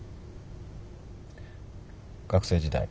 学生時代